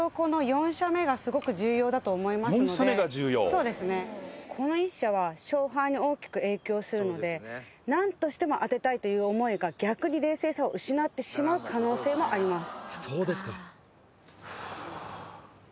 ４射目が重要だと思いますので、この１射は勝敗に大きく影響するのでなんとしても当てたいという思いが逆に冷静さを失ってしまう可能性もあります。